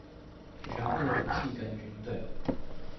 全部的武器跟軍隊